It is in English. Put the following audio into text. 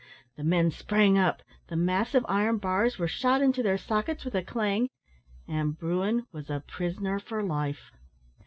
The men sprang up; the massive iron bars were shot into their sockets with a clang; and bruin was a prisoner for life.